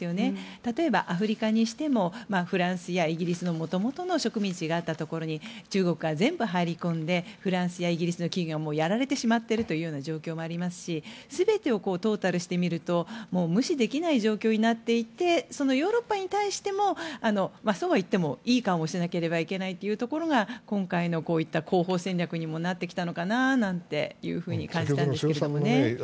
例えばアフリカにしてもフランスやイギリスのもともとの植民地があったところに中国が全部入り込んでフランスやイギリスの企業がやられてしまっているような状況もありますし全てをトータルして見ると無視できない状況になっていてそのヨーロッパに対してもそうはいってもいい顔もしなきゃいけないところが今回のこういった広報戦略にもなってきたのかなというふうに感じました。